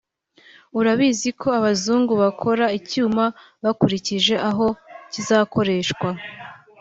urabizi ko abazungu bakora icyuma bakurikije aho kizakoreshwa